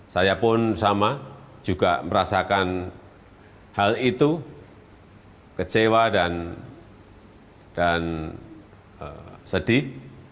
saya pun sama juga merasakan hal itu kecewa dan sedih